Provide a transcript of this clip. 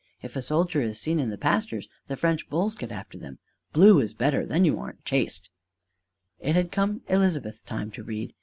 If a soldier is seen in the pastures, the French bulls get after them! Blue is better: then you aren't chased!" It had come Elizabeth's time to read.